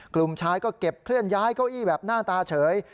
กลุ่มชายก็เก็บเคลื่อนย้ายเก้าอี้แบบหน้าตาเฉย